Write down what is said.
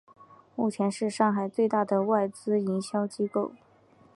目前是上海最大的外资营销机构。